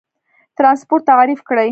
ترانسپورت تعریف کړئ.